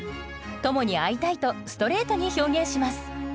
「友に会いたい」とストレートに表現します。